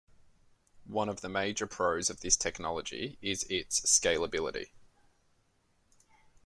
One of the major pros of this technology is its scalability.